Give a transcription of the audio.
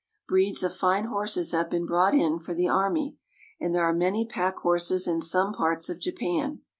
Breeds of fine horses have been brought in for the army, and there are many pack horses in some parts of Japan.